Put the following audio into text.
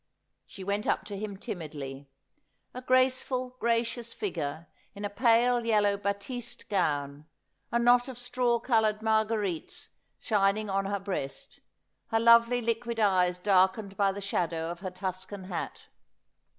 She went up to him timidly ; a graceful, gracious figure in a pale yellow batiste gown, a knot of straw coloured Marguerites shining on her breast, her lovely liquid eyes darkened by the shadow of her Tuscan hat.